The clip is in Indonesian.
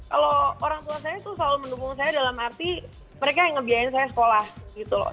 kalau orang tua saya tuh selalu mendukung saya dalam arti mereka yang ngebiayain saya sekolah gitu loh